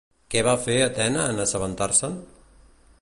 Què va fer Atena en assabentar-se'n?